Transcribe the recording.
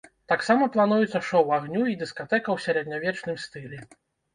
Таксама плануецца шоў агню і дыскатэка ў сярэднявечным стылі.